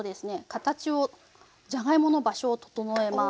形をじゃがいもの場所を整えます。